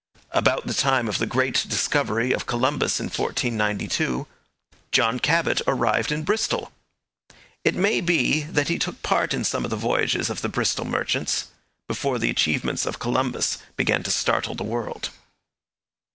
About the time of the great discovery of Columbus in 1492, John Cabot arrived in Bristol. It may be that he took part in some of the voyages of the Bristol merchants, before the achievements of Columbus began to startle the world.